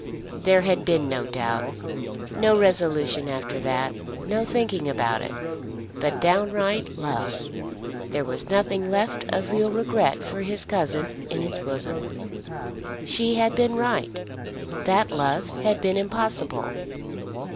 There had been no doubt, no resolution after that, no thinking about it; but downright love. There was nothing left of real regret for his cousin in his bosom. She had been right. That love had been impossible.